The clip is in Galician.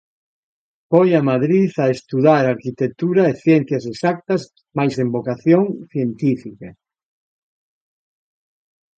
Foi a Madrid a estudar Arquitectura e ciencias exactas mais sen vocación científica.